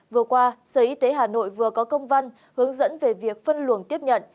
vừa qua sở y tế hà nội vừa có công văn hướng dẫn về việc phân luồng tiếp nhận